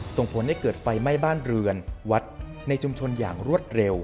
ส่งผลให้เกิดไฟไหม้บ้านเรือนวัดในชุมชนอย่างรวดเร็ว